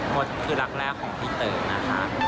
ก็คือรักแรกของพี่เต๋อนะคะ